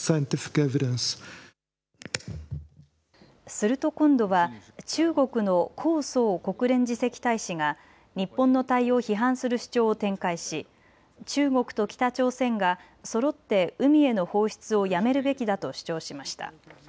すると今度は中国の耿爽国連次席大使が日本の対応を批判する主張を展開し中国と北朝鮮がそろって海への放出をやめるべきだと主張しました。